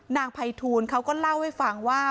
นายภัยทูลเขาก็เล่าให้ฟังว่า